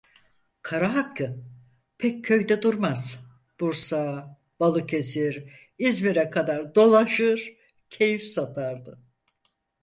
Kara Hakkı pek köyde durmaz, Bursa, Balıkesir, İzmir'e kadar dolaşır, keyif satardı.